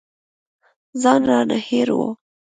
ځان رانه هېر و.